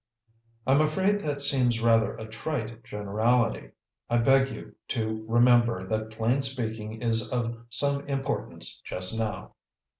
"I'm afraid that seems rather a trite generality. I beg you to remember that plain speaking is of some importance just now."